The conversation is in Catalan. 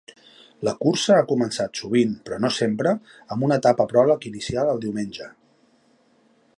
La cursa ha començat sovint, però no sempre, amb una etapa pròleg inicial el diumenge.